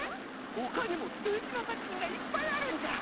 ほかにもすてきなさくひんがいっぱいあるんじゃ！